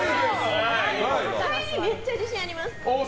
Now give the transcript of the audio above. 肺にめっちゃ自信あります！